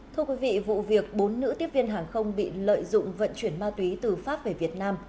thưa quý vị vụ việc bốn nữ tiếp viên hàng không bị lợi dụng vận chuyển ma túy từ pháp về việt nam